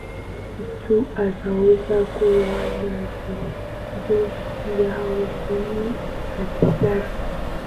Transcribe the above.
mtu anaweza kuwa na virusi vya ukimwi asitambue